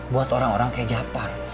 buat orang orang kayak japar